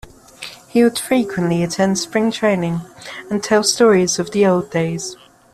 He would frequently attend Spring training and tell stories of the old days.